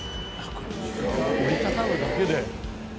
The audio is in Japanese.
折りたたむだけで。